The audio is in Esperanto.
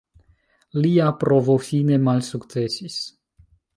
Lia provo fine malsukcesis.